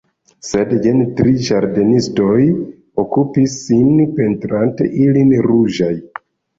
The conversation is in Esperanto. Sed jen tri ĝardenistoj okupis sin pentrante ilin ruĝaj.